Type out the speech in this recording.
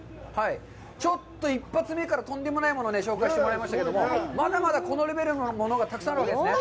ちょっと一発目からとんでもないものを紹介してもらいましたけれども、まだまだ、このレベルのものがたくさんあるわけですね？